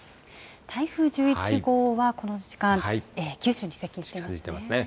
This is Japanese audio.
台風１１号はこの時間、九州に接近していますね。